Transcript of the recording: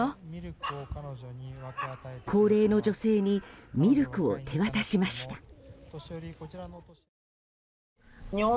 高齢の女性にミルクを手渡しました。